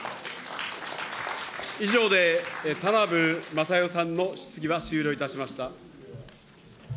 以上で、田名部匡代さんの質疑は終了いたしました。